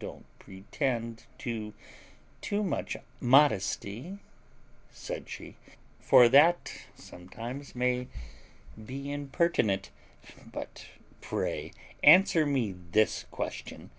"Don't pretend to too much modesty," said she, "for that sometimes may be impertinent: but pray answer me this question.